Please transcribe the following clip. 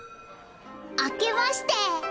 あけまして。